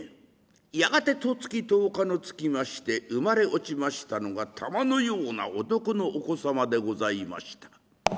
やがて十月十日のつきまして生まれ落ちましたのが玉のような男のお子様でございました。